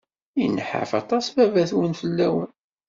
Inḥaf aṭas baba-twen fell-awen.